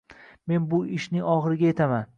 Men bu ishding oxiriga jetaman